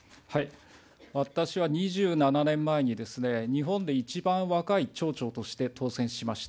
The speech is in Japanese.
私は２７年前に、日本で一番若い町長として当選しました。